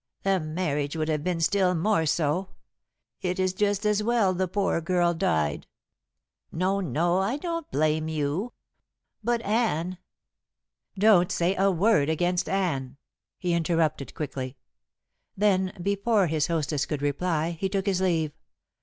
"The marriage would have been still more so. It is just as well the poor girl died. No, no, I don't blame you. But Anne " "Don't say a word against Anne," he interrupted quickly. Then, before his hostess could reply, he took his leave.